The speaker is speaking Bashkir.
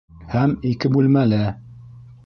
Һәм ике бүлмәле!